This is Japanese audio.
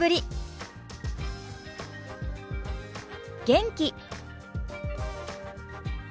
元気。